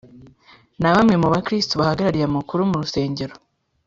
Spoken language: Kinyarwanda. na bamwe mu bakristu bahagarariye amakuru murusengero